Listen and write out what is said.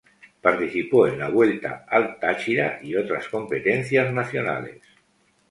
Participó en la Vuelta al Táchira y otras competencias nacionales.